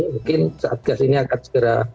mungkin saat gas ini akan segera